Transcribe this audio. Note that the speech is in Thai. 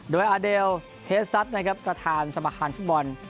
โดยอาเดลเทซัตทร์กระธานสมขาลฟุตบอล